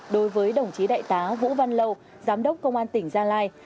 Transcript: đối với đồng chí đại tá vũ văn lâu giám đốc công an tỉnh gia lai